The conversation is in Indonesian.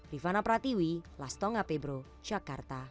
rifana pratiwi lastonga pebro jakarta